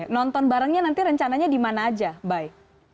nonton barengnya nanti rencananya di mana aja mbay